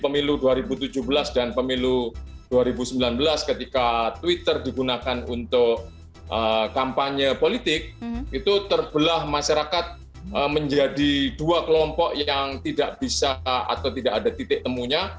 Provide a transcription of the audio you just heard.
masyarakat menjadi dua kelompok yang tidak bisa atau tidak ada titik temunya